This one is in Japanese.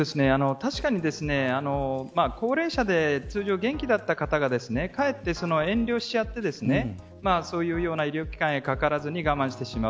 確かに高齢者で通常元気だった方がかえって遠慮しちゃってそういうような医療機関へかからずに我慢してしまう。